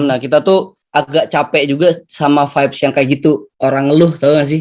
nah kita tuh agak capek juga sama vibes yang kayak gitu orang ngeluh tau gak sih